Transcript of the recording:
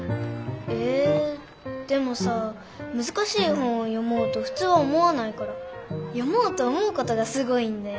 えでもさ難しい本を読もうと普通は思わないから読もうと思うことがすごいんだよ。